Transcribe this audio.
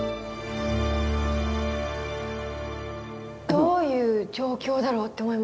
どういう状況だろうって思いました。